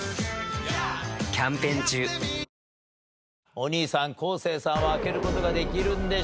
お兄さん昴生さんは開ける事ができるんでしょうか？